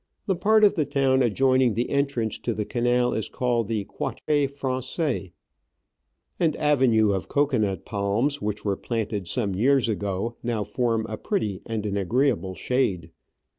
The part of the town adjoining the entrance to the canal is called the Quartier Franfais, An avenue of cocoanut palms, which were planted some years ago, now form a pretty and an agreeable shade.